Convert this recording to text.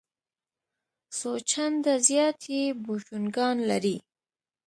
څو چنده زیات یې بوشونګان لري.